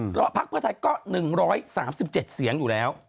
เพราะพักเพื่อไทยก็๑๓๗เสียงอยู่แล้ว